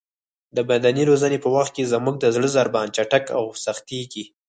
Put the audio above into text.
د بدني روزنې په وخت کې زموږ د زړه ضربان چټک او سختېږي.